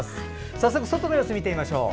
早速、外の様子を見てみましょう。